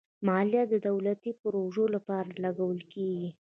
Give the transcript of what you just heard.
مالیه د دولتي پروژو لپاره لګول کېږي.